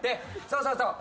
そうそうそう。